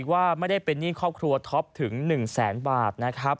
ว่าไม่ได้เป็นหนี้ครอบครัวท็อปถึง๑แสนบาทนะครับ